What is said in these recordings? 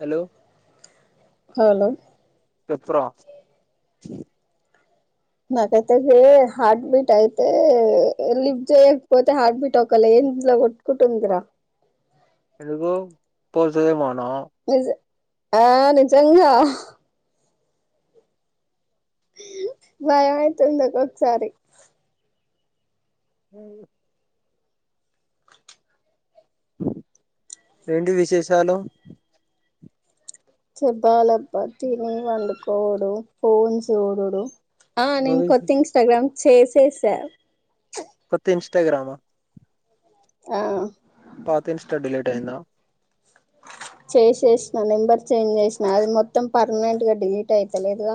Hello hello చెప్పురా నాకైతే అసలు హార్ట్ బీట్ అయితే లిప్ చేయకపోతే హార్ట్ బీట్ ఒక రేంజ్ లో కోట్ కుటుంద్ర ఎందుకు పోజెమన నిజ ఆ నిజంగా ఉమ్ భయం అయితుంది ఒక్కొక్కసారి అవును అంటే ఏంటి విశేషాలు చెప్పాలి అబ్బా తిని పండుకోవుడు ఫోన్ చూడుడు ఆ నేన్ నువ్వు కొత్త ఇన్స్టాగ్రామ్ చేసేసా కొత్త ఇన్స్టాగ్రామ్ ఆ ఆ తర్వాత ఇంస్టా డిలీట్ అయిందా చేసేసిన నెంబర్ చేంజ్ చేసిన అది మొత్తం పర్మనెంట్ గా డిలీట్ అయిపోలేదుగా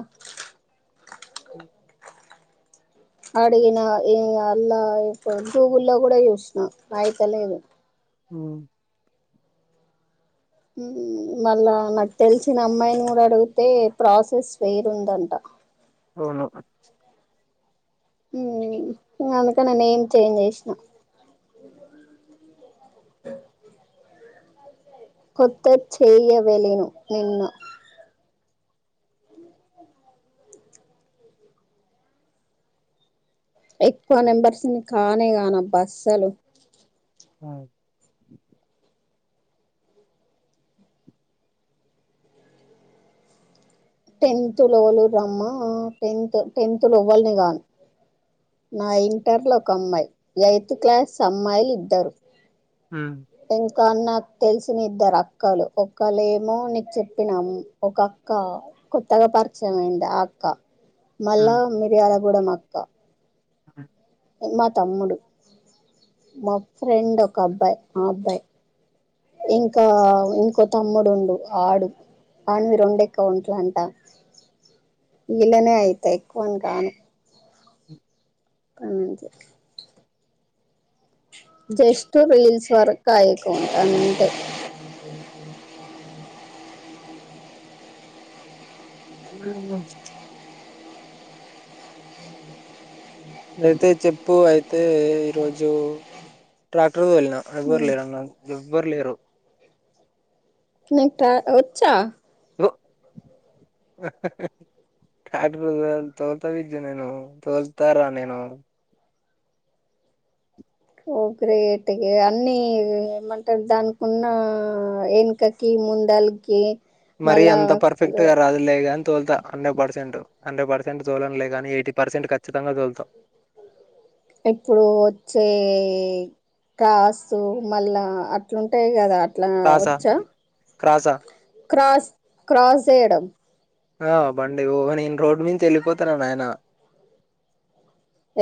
ఉమ్ అడిగిన ఏ అల్ల గూగుల్ల కూడ చూసిన అయితలేదు ఉమ్ మళ్ళా నాకు తెలిసిన అమ్మాయిని గూడ అడుగుతే ప్రాసెస్ వేరుందంట అవును ఉమ్ అందుకె నా నేమ్ చేంజ్ చేసినా కొత్త చెయ్య వెలేను నిన్ను ఎక్కువ నెంబర్స్ని కానే కానబ్బ అస్సలు ఆ టెన్త్ లోవలుర్రమ్మ టెన్త్ టెన్త్ లోవల్ని గాను నా ఇంటర్ల ఒక అమ్మాయి ఎయిత్ క్లాస్ అమ్మాయిలిద్దరు ఉమ్ ఇంకా నాకు తెలిసిన ఇద్దరక్కలు ఒక్కలేమో నీకు చెప్పిన మ్ ఒక అక్క కొత్తగ పరిచయం అయింది ఆ అక్క మళ్ళా ఉమ్. మిరియాలగూడెం అక్క మా తమ్ముడు మా ఫ్రెండ్ ఒక అబ్బాయి ఆ అబ్బాయి ఇంకా ఇంకో తమ్ముడుండు ఆడు అవన్ని రెండెక్కువున్టయంట ఈళ్ళనే అయితయి ఎక్కువన్ రాను కంచి జస్ట్ రీల్స్ వరకైకుంటంతె ఉమ్ అయితే చెప్పు అయితే ఈరోజు ట్రాక్టర్ తోల్నా ఎవ్వర్లేరల్ల ఎవ్వరు లేరు నిక్ ట్రా వచ్చ ఒ ట్రాక్టర్ తొల్ తోల్త బుజ్జి నేను తోల్తరా నేను ఓ గ్రేట్ ఇగ అన్నీ ఏమంటరు దానికున్న ఎనకకు కీ ముందాల్కి మరీ అంత పర్ఫెక్ట్ గా రాదు లేగాని తోల్తా హండ్రెడ్ పర్సెంట్, హండ్రెడ్ పర్సెంట్ తోలనులేగని ఎయిటి పర్సెంట్ ఖచ్చితంగా తోల్తా ఇప్పుడు వచ్చే కాస్తు మళ్ళా అట్లుంటది గదా తాసా క్రాసా క్రాస్ క్రాస్ చేయడం ఆ బండి ఓ నేను రోడ్డు మించి వెళ్ళిపోతరా నాయన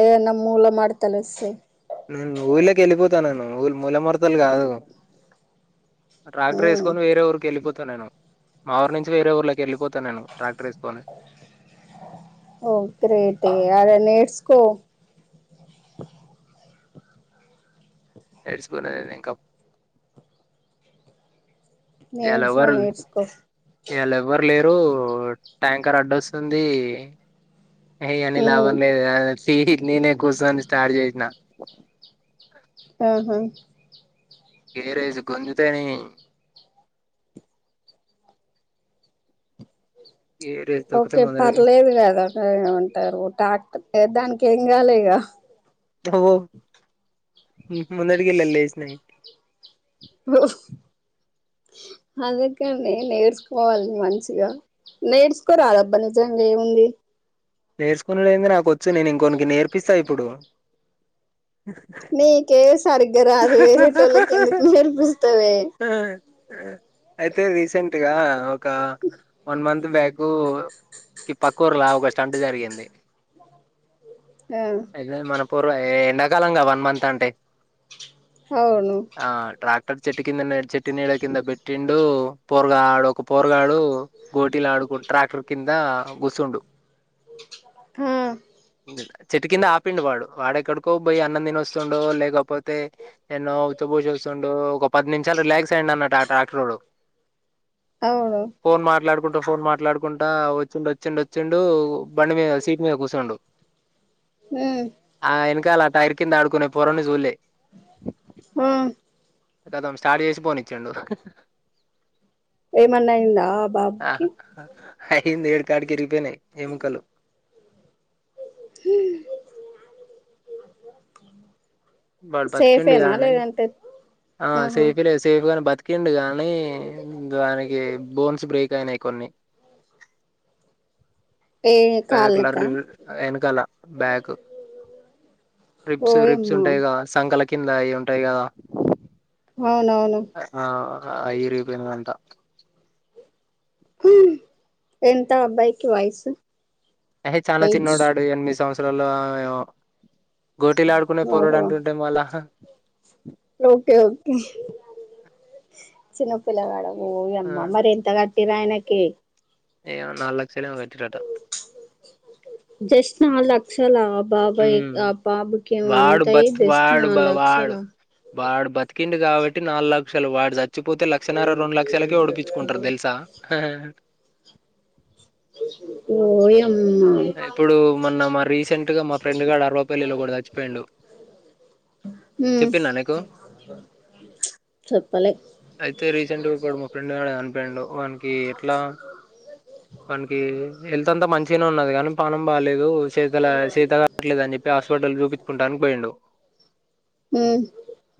ఏదన్న మూల మడతలొస్తయ్ నేను ఊళ్ల కెళ్ళిపోతా నేను ఊళ్ మూల మడతలు గాదు ట్రాక్టర్ ఉమ్, ఏసుకొని వేరే ఊరికెళ్ళిపోతా నేను, మా ఊరి నుంచి వేరే ఊర్లకెళ్ళిపోత్ త నేను ట్రాక్టరేస్కొని ఓ గ్రేటె ఆడ నేర్స్కో నేర్చుకునేది ఇంకా నేర్చుకో ఇయాలెవ్వరుండే నేర్చుకో ఇయాళ ఎవ్వరు లేరు ట్యాంకర్ అడ్డోస్తుంది ఎహ్ ఇయన్ని ఉమ్, లాభం లేదు గని స్టీరింగ్ నేనే కూసోని స్టార్ట్ చేసిన ఆహా గేరేసి గుంజుతే నీ గేరేజ్ తొక్కితే ఓకే ముందడి పర్లేదు కదా ఏమంటారు ట్రాక్ట దానికి ఏం ఖాళీగా తూ [inaudible] మున్నాటికిల లేసన్నా అందుకనే నేర్చుకోవాలి మంచిగా నేర్చుకో రాదబ్బా నిజంగా ఏముంది నేర్చుకునేదేంది నాకొచ్చి నేను ఇంకొనికి నేర్పిస్తా ఇప్పుడు నీకే సరిగ్గా రాదు వేరే టోలకి ఎందుకు నేర్పిస్తావే ఉ ఉ అయితే రీసెంట్ గా ఒక వన్ మంత్ బ్యాకు ఈ పక్కూర్ల ఒక స్టంట్ జరిగింది ఆ వెళ్ళేది మన పూర్వ ఎండాకాలంగా వన్ మంత్ అంటే అవును ఆ ట్రాక్టర్ చెట్టు కిందనే చెట్టు నీడ కింద పెట్టిండు పోరుగాడు ఒక పోరుగాడు కోటిలాడుకుంటూ ట్రాక్టర్ కింద గుసుండు ఉ చెట్టు కింద ఆపిండు వాడు వాడెక్కడికో పోయి అన్నం తినేస్తుండు లేకపోతే తే ఎన్నో ఉచ్చభూషిస్తుండు ఒక పది నిమిషాలు రిలాక్స్ అన్నట్టు ఆ ట్రాక్టర్ రోడ్డు అవును ఫోన్ మాట్లాడుకుంటా ఫోన్ మాట్లాడుకుంటా వచ్చిండు వచ్చిండు వచ్చిండు బండి మీద సీట్ మీద కూర్చుండు ఉ ఆ వెనకాల టైర్ కింద ఆడుకుని కోరుడ్ని చూడలే ఉ గతం స్టార్ట్ చేసి పోనిచ్చిండు ఏమన్నా అయిందా? ఆ బాబుకి అయింది ఏడ యాటికి విరిగిపోయిన ఎముకలు ఉ వాడు బతికిండు గానీ ఆ ఆహా సెల్ఫీలే సేఫ్ గాని బతి బతికిండు గానీ దానికి బోన్స్ బ్రేక్ అయినాయి కొన్ని ఏ బ్యాక్ లర్ కాళ్ళకా వెనకాల బ్యాక్ రిప్స్ రిప్స్ ఓయమ్మా ఉంటాయి కదా సంకల కింద అవి ఉంటాయి కదా అవునవును ఆ అవి ఇరిగిపోయినాయంట ఉ ఎంత అబ్బాయికి వయసు ఎహే చాలా ఏజ్ చిన్నోడు వాడు ఎన్ని సంవత్సరాలు ఏమో గోటీలు ఆడుకునే పోరాడు ఓహో అంటుంటే మల్ల ఓకే ఓకే చిన్న పిల్లగాడు ఆ ఓయమ్మ మరి ఎంత తినాయనకి ఏమో‌ నాలుగు లక్షలు ఏమో కట్టింరట జస్ట్ మల్ల లక్షల ఆ బాబోయ్ ఉమ్ మా బాబుకి ఏమో వాడు అంతా బతు జస్ట్ వాడు నాలుగు బ లక్షల వాడు వాడు బతికిండు కాబట్టి నాలుగు లక్షలు వాడు చచ్ చచ్చిపోతే లక్షన్నర రెండు లక్షలకే ఉడికించుకుంటారు తెలుసా ఓయమ్మ ఇప్పుడు మొన్న మా రీసెంట్ గా మా ఫ్రెండ్ గాడు అరవపల్లిలో ఒకడు చచ్చిపోయిండు ఉ మీచ్ చెప్పినా నీకు చెప్పలే అయితే రీసెంట్ గా ఇక్కడు ఒక మాఫ్రెండు చనిపోయిండు వానకి ఎట్లా వానికి హెల్త్ అంతా మంచిగనే ఉన్నది గాని పానం బాలేదు సెతల సెత కాట్లేదు అని చెప్పి హాస్పిటల్ చూపించుకుంటానికి పోయిండు ఉ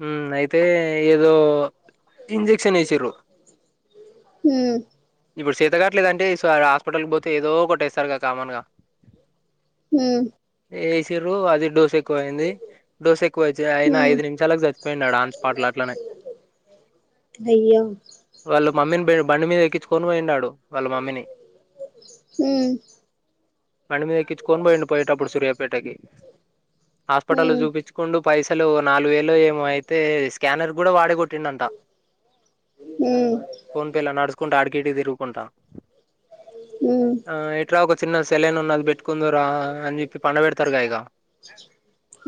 ఉ అయితే ఏదో ఇంజెక్షన్ వేసిర్రు ఊ ఇప్పుడు సెత కట్లేదంటె ఈ సారి హాస్పిటల్కి పోతే ఏదో కొట్టేస్తారు కామన్ గా ఊ వేసిర్రు అది డోస్ ఎక్కువ అయింది డోస్ ఎక్కువ వచ్చి అయిన ఉమ్ ఐదు నిమిషాలకి చచ్చి పోయాడు ఆడ ఆన్ స్పాట్ ల అట్లనే దెయ్యవ్ వాళ్ళ మమ్మీని బండి మీద ఎక్కించుకొని పోయిండు ఆడు వాళ్ళ మమ్మీని ఊ బండి మీద ఎక్కించుకొని పోయిండు పోయేటప్పుడు సూర్యాపేటకి హాస్పిటల్లో ఉమ్ చూపిచు కుండు పైసలు నాలుగు వేలు ఏమొ అయితే స్కానర్ కూడా వాడే కొట్టిండంట ఊ ఫోన్ పే లా నడుచుకుంటా అడికి ఇడికి తిరుగుకుంటా ఉమ్ ఆ ఎట్ర ఒక చిన్న సెలను ఉన్నది అది పెట్టుకుందరా అని చెప్పి పండ పెడతారు కా ఇక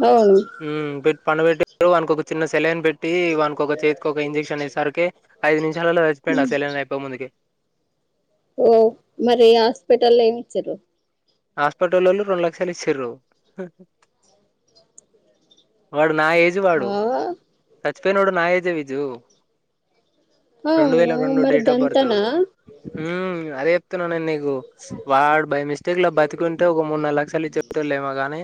అవును ఊ పెట్టి పన పెట్టి అనికి ఒక చిన్న సెలన్ పెట్టి టి వానక ఒక చేతికి ఒక ఇంజక్షన్ వేసరికి ఐదు నిమిషాలలో సచ్చిపోయిడు ఆ ఉమ్ సెలన్ అయిపోయి ముందుకి ఓ మరి హాస్పిటల్ ల ఏమి ఇచ్చిరు హాస్పటలోలు రెండు లక్షలు ఇచ్చారు వాడు నా ఏజ్ వాడు ఆ సచ్ పోయినోడు నా నా ఏజ్ ఏ విజు రెండు వేల అవును రెండు మరి డేట్ ఆఫ్ బర్త్ గంతనా ఊ అదే చెప్తున్నా నేను నీకు వాడు బై మిస్టేక్ లో బతికుంటే ఒక మూడు నాల్ లక్షలు ఇచ్చటోలేమో గాని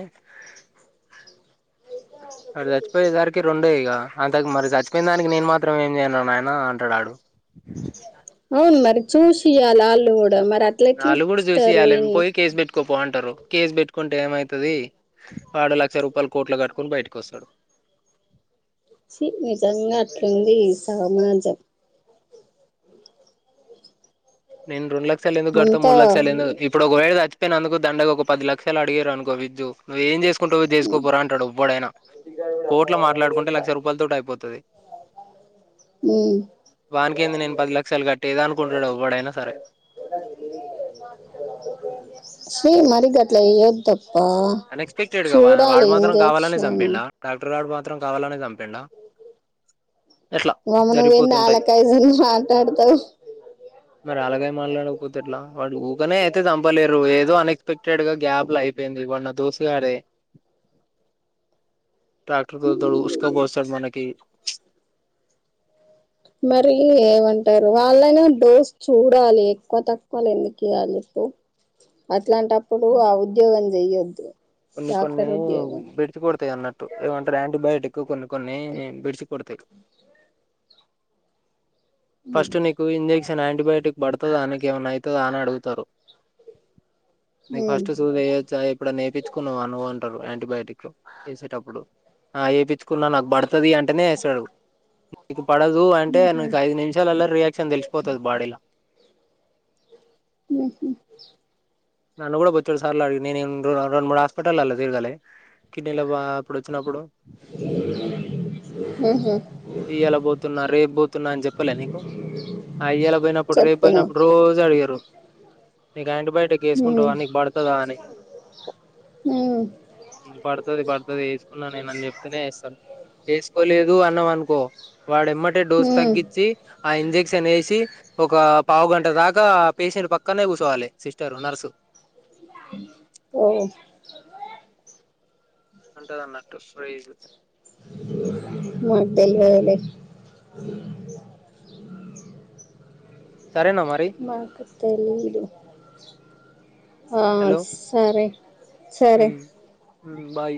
ఆడు చచ్చిపోయేసరికి రెండే ఇక అంతకు మరి చచ్చిపోయిన దానికి నేను మాత్రం ఏం చేయనరా నాయన అంటాడు అవును మరి చూసియాల వాళ్ళు కూడా మరి అట్ల ఎట్ల ఇస్తారు ఇన్ క పోంటారు కేసు పెట్టుకుంటే ఏమైతది ఆడ లక్ష రూపాయల కోట్లు కట్టుకుని బయటకి వస్తాడు నిజంగా అట్లుంది ఈ సమాజం నే రండులక్ష ఎందుకు కడతం అంతా మూడు లక్షలు ఇప్ ఇప్పుడు ఒకవేళ చచ్చిపోయినందుకు దండగా ఒక పది లక్షలు అడిగిరు అనుకో విజ్జు నువ్ ఏం చేస్ టవో ఏసుకుపోరా అంటడువ్వడైనా కోట్ల మాట్లాడుకుంటే లక్ష రూపాయలతోటి అయిపోతది ఊ వానికి ఏంది నేను పది లక్షల్ కట్టేదనుకుంటాడు ఎవ్వడైనా సరే శ్రీ మరి గట్ల ఎయద్దప్పా ఎఫెక్టెడ్గా వాడు మాత్రం కావాలని చంపిండా డాక్టర్ గాడు మాత్రం కావాలనె చంపిండా ఎట్లా వామ్మో నువ్ ఏంది జరిగిపోతుంటాయి ఆళ్లకాయజుని మాట్లాడుతావు మరి అలాగే మాట్లాడకపోతే ఎట్లా వాడు ఊకనే అయితే చంపలేరు ఏదో అనెక్స్పెక్టెడ్ గా గ్యాప్ల అయిపోయింది వాన్ న దోస్తుగాడే ట్రాక్టర్ డోళ్తడు ఉసుక బోస్తడు మనకి మరి ఏమంటారు వాళ్ళని బేస్ చూడాలి ఎక్కువ తక్కువలు ఎందుకు ఇయాలి ఉ అట్లాంటప్పుడు ఆ ఉద్యోగం చెయ్యొద్దు కొన్ని కొన్ని డాక్టర్ ఉద్యోగం బిడ్ డ్స్ కొడతాయి అన్నట్టు ఏమంటే యాంటీబయోటిక్ కొన్ని కొన్ని బెడిసి కొడతయి ఫస్ట్ ఉమ్ నీకు ఇంజెక్షన్ యాంటీబయాటిక్ పడుతుందా దక ఏమైనా అవుతుందా అని అడుగుతారు నీకు ఉమ్ ఫస్ట్ సూయ్యొచ్చ ఇప్పుడ నేపి చ్చుకున్నా అనుంటారు యాంటీబయటిక్ లో వేసేటప్పుడు ఆ వయిచ్చుకున్నా నాకు పడుతుది అంటేనే వేస్తాడు నీకు పడదు అంటే ఉహు నకు ఐదు నిమిష ఎలా రియాక్షన్ తెలిస్పోతుది బాడిలా ఉహు నన్నను కూడా బొచ్చుడు సరాలు అడి నే రెండు మూడు హాస్పిటల్ లా తీర్గలి కిడ్నీలో బా అప్పుడు వచ్చినప్పుడు ఆహా ఈ ఎలా పోతున్నారు రేపు పోతున్నా అని చెప్పలే నీకు అయ్యలా పోయినప్పుడు రే చెప్పినవ్ పోయినప్పుడు రోజు అడిగారు నీకు ఆంటిబయోటిక్ ఉమ్ కుంటవా నీకు పడుతుదా అని ఉమ్ పడుతుంది పడుతుంది వేసుకున్నా నేను అని చెప్తేనే వేస్తారూ వేసుకోలేదు అన్నాం అనుకో వాడెమ్మటే డోస్ ఉమ్ తగ్గించి ఆ ఇంజక్షన్ ఎక్షన్ వేసి ఒక పావు గంట దాకా పేషెంట్ పక్కనే కూర్చోవాలి సిస్టర్ నర్సు ఓ ఉంటంది అన్నట్టు స నాకు తెలవదు లే సరేనా మరి మాకు తెలీదు ఆ హలో సరే సరే బాయ్